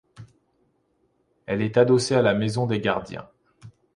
Elle est adossée à la maison des gardiens.